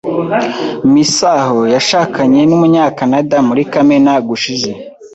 Misaho yashakanye numunyakanada muri kamena gushize.